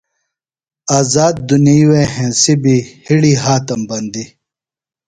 آذاد دنیئی ہنسی بِہ ہڑِی ہاتم بندی۔